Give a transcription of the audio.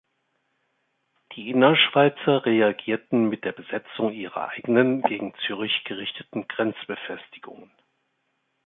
Die Innerschweizer reagierten mit der Besetzung ihrer eigenen gegen Zürich gerichteten Grenzbefestigungen.